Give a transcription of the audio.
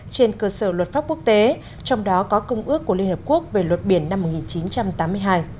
trên cơ sở luật pháp quốc tế trong đó có công ước của liên hợp quốc về luật biển năm một nghìn chín trăm tám mươi hai